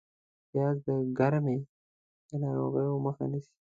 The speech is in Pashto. پیاز د ګرمۍ د ناروغیو مخه نیسي